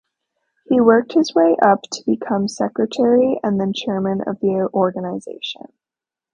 He worked his way up to become secretary and then chairman for the organization.